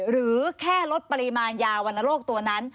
หรือแค่ลดปริมาณยาวรรณโรคตัวนั้น